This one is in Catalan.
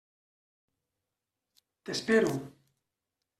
T'espero.